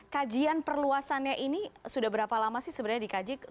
kajian perluasannya ini sudah berapa lama sih sebenarnya dikaji